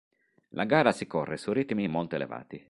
La gara si corre su ritmi molto elevati.